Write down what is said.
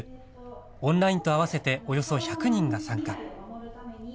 オンラインと合わせて、およそ１００人が参加。